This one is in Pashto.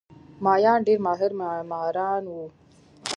مایان ډېر ماهر معماران وو.